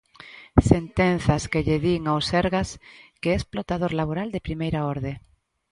Sentenzas que lle din ao Sergas que é explotador laboral de primeira orde.